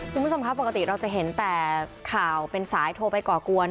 คุณผู้ชมครับปกติเราจะเห็นแต่ข่าวเป็นสายโทรไปก่อกวน